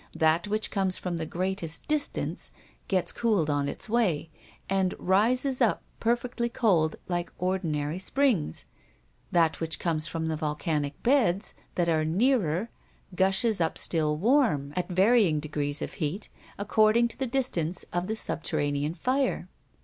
That which comes from the greatest distance gets cooled on its way, and rises up perfectly cold like ordinary springs; that which comes from the volcanic beds that are nearer gushes up still warm, at varying degrees of heat, according to the distance of the subterranean fire.